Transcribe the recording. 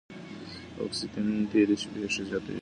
اګوستين تېرې پېښې يادوي.